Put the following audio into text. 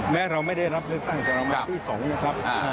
แม้เราไม่ได้รับเลือกตั้งแต่รางวัลที่๒นะครับ